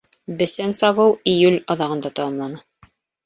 Бесән сабыу июль аҙағында тамамлана.